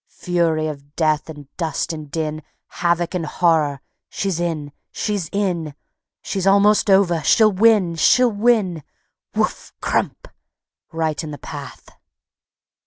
Fury of death and dust and din! Havoc and horror! She's in, she's in; She's almost over, she'll win, she'll win! Woof! Crump! right in the path.